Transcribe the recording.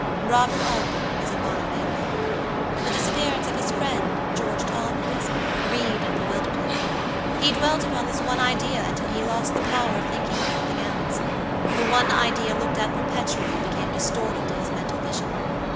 Robert Audley is a monomaniac. The disappearance of his friend, George Talboys, grieved and bewildered him. He dwelt upon this one idea until he lost the power of thinking of anything else. The one idea looked at perpetually became distorted to his mental vision.